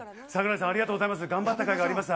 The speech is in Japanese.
櫻井さん、ありがとうございます。